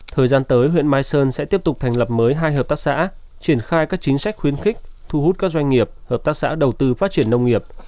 thời gian tới huyện mai sơn sẽ tiếp tục thành lập mới hai hợp tác xã triển khai các chính sách khuyến khích thu hút các doanh nghiệp hợp tác xã đầu tư phát triển nông nghiệp